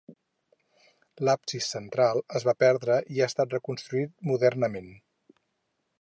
L'absis central es va perdre i ha estat reconstruït modernament.